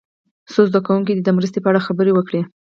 څو زده کوونکي دې د مرستې په اړه خبرې وکړي.